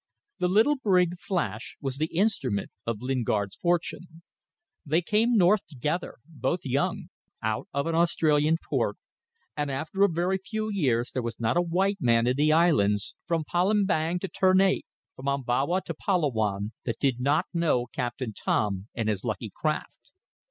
The little brig Flash was the instrument of Lingard's fortune. They came north together both young out of an Australian port, and after a very few years there was not a white man in the islands, from Palembang to Ternate, from Ombawa to Palawan, that did not know Captain Tom and his lucky craft.